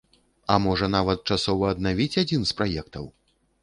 А можа, нават часова аднавіць адзін з праектаў?